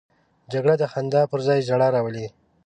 جګړه د خندا پر ځای ژړا راولي